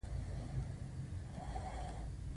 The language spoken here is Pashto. ایران د سوداګرۍ مرکز دی.